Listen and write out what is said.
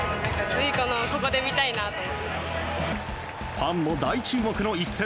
ファンも大注目の一戦。